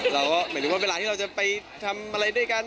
เราก็หมายถึงว่าเวลาที่เราจะไปทำอะไรด้วยกัน